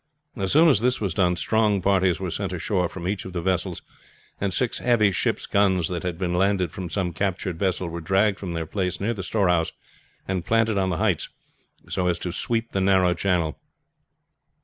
As soon as this was done strong parties were sent ashore from each of the vessels, and six heavy ship's guns that had been landed from some captured vessel were dragged from their place near the storehouse and planted on the heights, so as to sweep the narrow channel.